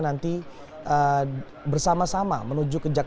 nanti bersama sama menuju kejaksaan